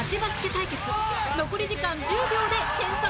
対決残り時間１０秒で点差は３点